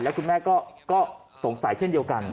แล้วคุณแม่ก็สงสัยเช่นเดียวกัน